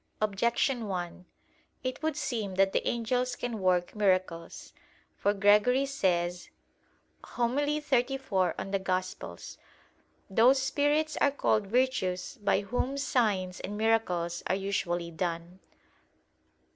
Objection 1: It would seem that the angels can work miracles. For Gregory says (Hom. xxxiv in Evang.): "Those spirits are called virtues by whom signs and miracles are usually done."